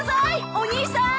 お兄さん！